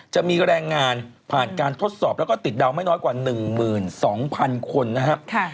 จะมีแรงงานผ่านการทดสอบแล้วก็ติดดาวไม่น้อยกว่า๑๒๐๐๐คนนะครับ